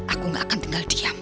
aku gak akan tinggal diam